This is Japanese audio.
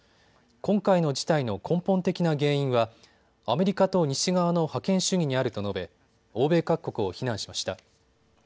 今回の事態の根本的な原因はアメリカと西側の覇権主義にあると述べ欧米各国を非難しました。